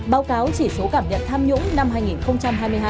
báo cáo chỉ số cảm nhận tham nhũng năm hai nghìn hai mươi hai